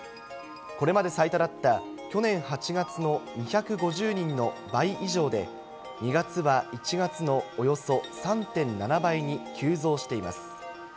これまで最多だった去年８月の２５０人の倍以上で、２月は１月のおよそ３．７倍に急増しています。